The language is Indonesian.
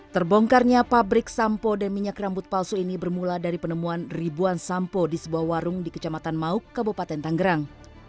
terbongkarnya pabrik sampo dan minyak rambut palsu ini bermula dari penemuan ribuan sampo di sebuah warung di kecamatan mauk kabupaten tanggerang